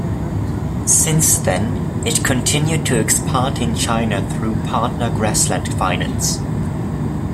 Since then, it continued to expand in China through partner Grassland Finance.